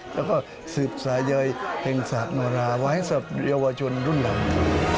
แล้วก็สืบสายยยแห่งศาลโนราว่าให้สำหรับเยาวชนรุ่นเหล่านี้